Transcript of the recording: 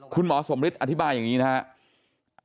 คุณหมอสมฤทธิอธิบายอย่างนี้นะครับ